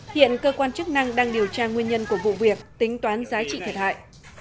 hiện cơ quan chức năng đang điều tra nguyên nhân của vụ việc tính toán giá trị thiệt hại